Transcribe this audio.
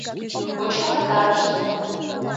Кочкын пытарышт.